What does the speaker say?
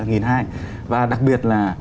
nghìn hai và đặc biệt là